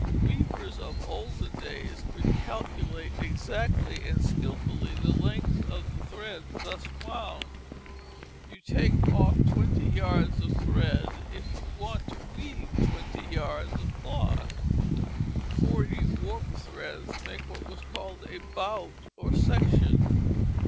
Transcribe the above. Weavers of olden days could calculate exactly and skilfully the length of the threads thus wound. You take off twenty yards of threads if you want to weave twenty yards of cloth. Forty warp threads make what was called a bout or section.